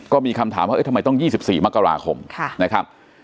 ก็มีคำถามว่าทำไมต้อง๒๔มกราคมนะครับ